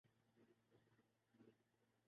ملک میں معاشی سرگرمی نہیں ہو گی۔